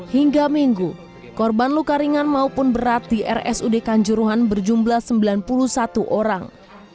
hingga minggu korban luka ringan maupun berat di rsud kanjuruhan berjumlah sembilan puluh satu orang